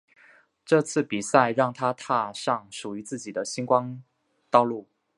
这次比赛让她踏上属于自己的星光道路。